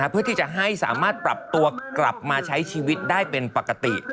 เพื่อที่จะให้สามารถปรับตัวกลับมาใช้ชีวิตได้เป็นปกติ